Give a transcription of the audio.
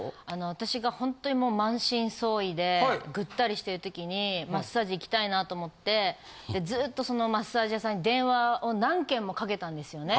私がほんとにもう満身創痍でぐったりしてる時にマッサージ行きたいなと思ってずっとそのマッサージ屋さんに電話を何件もかけたんですよね。